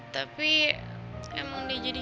tapi emang dia jadi cute banget sih